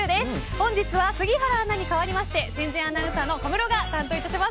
本日は杉原アナに代わりまして新人アナウンサーの小室が担当致します。